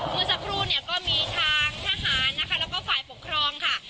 เมื่อสักครู่เนี่ยก็มีทางทหารนะคะแล้วก็ฝ่ายปกครองค่ะ